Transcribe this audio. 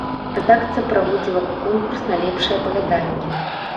Рэдакцыя праводзіла конкурс на лепшае апавяданне.